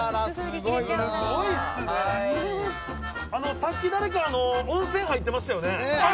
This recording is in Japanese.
さっき誰か温泉入ってましたよね。